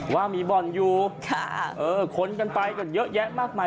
ว่ามีบ่อนอยู่คนกันไปกันเยอะแยะมากมาย